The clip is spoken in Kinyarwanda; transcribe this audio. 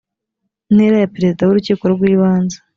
ntera ya perezida w urukiko rw ibanze